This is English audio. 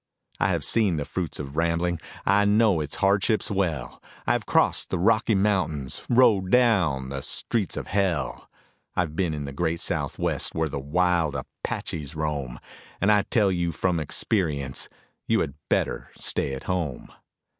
I have seen the fruits of rambling, I know its hardships well; I have crossed the Rocky Mountains, rode down the streets of hell; I have been in the great Southwest where the wild Apaches roam, And I tell you from experience you had better stay at home.